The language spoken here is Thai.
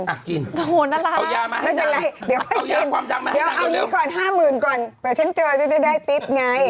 อ่ะกินเอายามาให้ดังเดี๋ยวเอานี้ก่อน๕๐๐๐๐ก่อนเดี๋ยวฉันเจอจะได้ปิ๊บไง